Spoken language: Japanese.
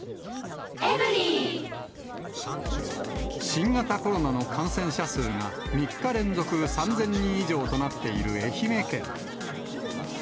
新型コロナの感染者数が３日連続３０００人以上となっている愛媛県。